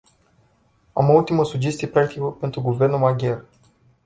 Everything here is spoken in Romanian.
Am o ultimă sugestie practică pentru guvernul maghiar.